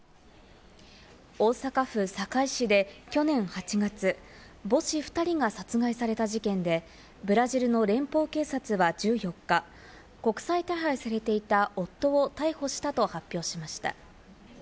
大阪府堺市で去年８月、母子２人が殺害された事件で、ブラジルの連邦警察は１４日、国際手配されていた夫を逮捕したと発表しました。